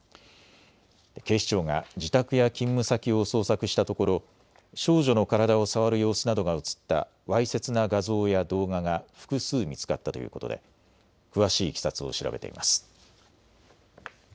警視庁が自宅や勤務先を捜索したところ少女の体を触る様子などが写ったわいせつな画像や動画が複数、見つかったということで詳しいいきさつを調べています。